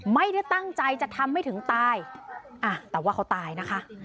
ไม่ได้ตั้งใจจะทำให้ถึงตายอ่ะแต่ว่าเขาตายนะคะ